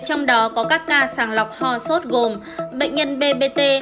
trong đó có các ca sàng lọc ho sốt gồm bệnh nhân bbt